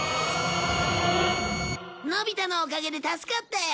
のび太のおかげで助かったよ。